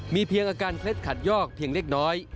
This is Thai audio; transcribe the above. มีเพียงอาการเคล็ดขัดยอกเพียงเล็กน้อย